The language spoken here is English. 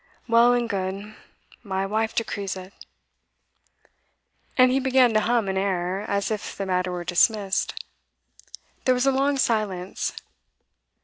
Well and good. My wife decrees it.' And he began to hum an air, as if the matter were dismissed. There was a long silence.